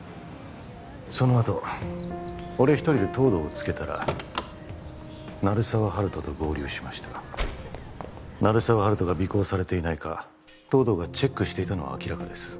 そのあと俺一人で東堂をつけたら鳴沢温人と合流しました鳴沢温人が尾行されていないか東堂がチェックしていたのは明らかです